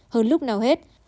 hơn lúc nào hết